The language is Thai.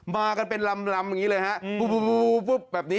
มากันเป็นลำอย่างงี้แบบนีุ้